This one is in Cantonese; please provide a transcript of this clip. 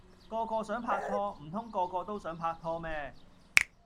個個想拍拖，唔通個個都想拍拖咩